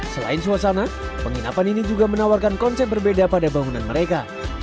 selain suasana penginapan ini juga menawarkan konsep berbeda pada bangunan mereka